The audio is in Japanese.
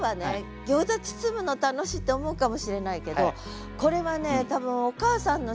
餃子包むの楽しいって思うかもしれないけどこれはね多分お母さんの視点。